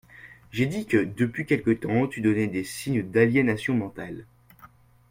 J’ai dit que depuis quelque temps tu donnais des signes d’aliénation mentale.